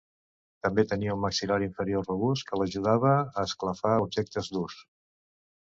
També tenia un maxil·lar inferior robust que l'ajudava a esclafar objectes durs.